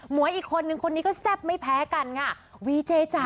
วยอีกคนนึงคนนี้ก็แซ่บไม่แพ้กันค่ะวีเจจ๋า